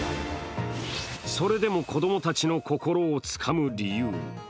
それでも子供たちの心をつかむ理由。